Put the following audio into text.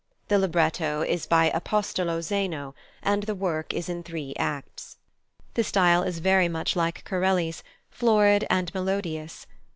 The libretto is by Apostolo Zeno, and the work is in three acts. The style is very much like Corelli's, florid and melodious.